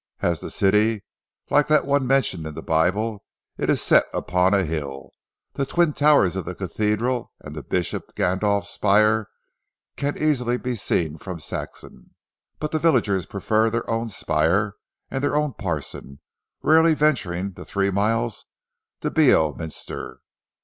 As the city, like that one mentioned in the Bible, is set upon a hill, the twin towers of the cathedral and Bishop Gandolf's spire can easily be seen from Saxham. But the villagers prefer their own spire and their own parson, rarely venturing the three miles to Beorminster.